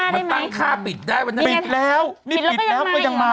มันตั้งค่าได้ไหมปิดแล้ว